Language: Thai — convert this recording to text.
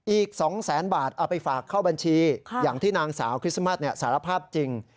อีก๒แสนบาทเอาไปฝากเข้าบัญชีอย่างที่นางสาวคริสต์มัสสารภาพจริง